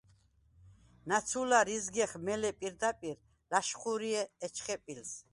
ნაცუ̄ლარ იზგეხ მელე̄ პირდაპირ, ლა̄შხუ̄რი ეჩხე̄ პილს.